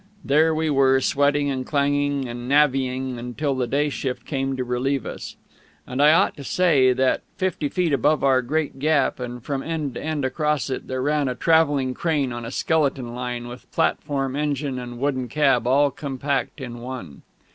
There we were, sweating and clanging and navvying, till the day shift came to relieve us. And I ought to say that fifty feet above our great gap, and from end to end across it, there ran a travelling crane on a skeleton line, with platform, engine, and wooden cab all compact in one.